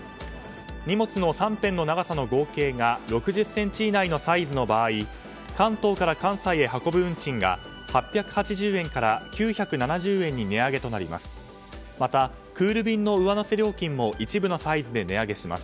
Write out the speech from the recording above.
荷物の３辺の長さの合計が６０ｃｍ以内のサイズの場合関東から関西へ運ぶ運賃が８８０円から９７０円に値上げとなります。